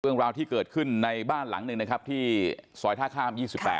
เรื่องราวที่เกิดขึ้นในบ้านหลังหนึ่งนะครับที่ซอยท่าข้าม๒๘